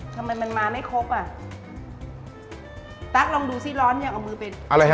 ทำไมมันมาไม่ครบอ่ะลองดูสิร้อนเนี้ยเอามือไปอะไรฮะ